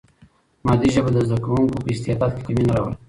مادي ژبه د زده کوونکي په استعداد کې کمی نه راولي.